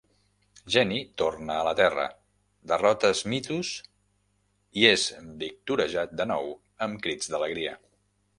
Jenny torna a la terra, derrota Smytus, i és victorejat de nou amb crits d'alegria.